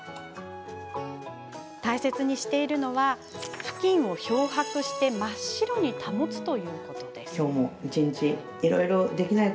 大切にしているのはふきんを漂白して真っ白に保つこと。